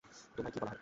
তোমায় কী বলা হয়?